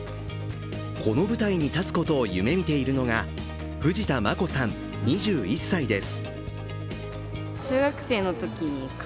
この舞台に立つことを夢見ているのが藤田真子さん２１歳です。